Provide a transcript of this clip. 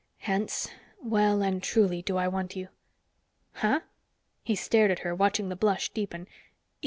Hence, well and truly do I want you." "Huh?" He stared at her, watching the blush deepen.